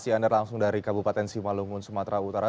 terima kasih anda langsung dari kabupaten simalungun sumatera utara